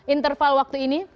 interval waktu ini